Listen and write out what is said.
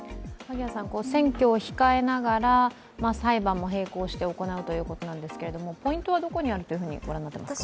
選挙を控えながら、裁判も並行して行うということですが、ポイントはどこにあるとご覧になっていますか。